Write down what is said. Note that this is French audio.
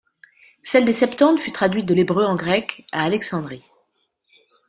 Celle des Septante fut traduite de l'hébreu en grec à Alexandrie.